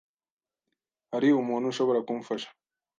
Hari umuntu ushobora kumfasha?